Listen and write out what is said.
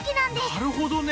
なるほどね！